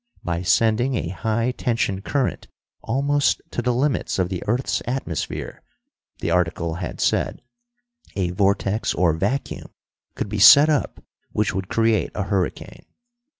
By sending a high tension current almost to the limits of the earth's atmosphere, the article had said, a vortex or vacuum could be set up which would create a hurricane.